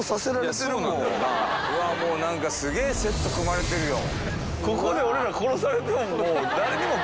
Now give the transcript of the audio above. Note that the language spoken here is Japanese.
うわもう何かすげえセット組まれてるよ。